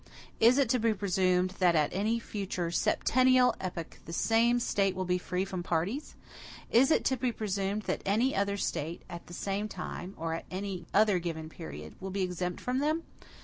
Is it to be presumed, that at any future septennial epoch the same State will be free from parties? Is it to be presumed that any other State, at the same or any other given period, will be exempt from them?